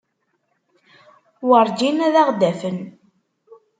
Werǧin ad aɣ-d-afen.